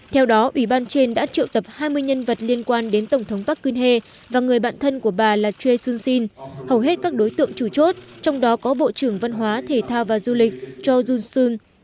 theo đó ủy ban trên đã triệu tập hai mươi nhân vật liên quan đến tổng thống park geun hye và người bạn thân của bà là choi soon sin hầu hết các đối tượng chủ chốt trong đó có bộ trưởng văn hóa thể thao và du lịch cho jun seung